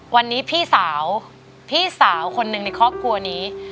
วันนี้พี่สาวพี่สาวคนหนึ่งในครอบครัวนี้